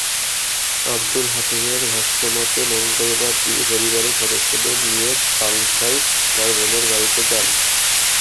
আবদুল হাকিমের ভাষ্যমতে, মঙ্গলবার তিনি পরিবারের সদস্যদের নিয়ে পাংশায় তাঁর বোনের বাড়িতে যান।